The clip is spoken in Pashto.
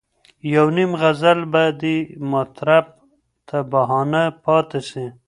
یو نیم غزل به دي مطرب ته بهانه پاته سي